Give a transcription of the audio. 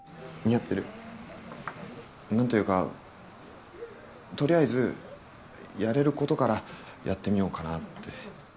似合ってる？なんていうか、とりあえずやれることからやってみようかなって。